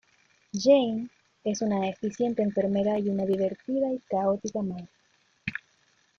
Jane es una eficiente enfermera y una divertida y caótica madre.